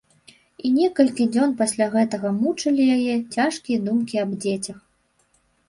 І некалькі дзён пасля гэтага мучылі яе цяжкія думкі аб дзецях.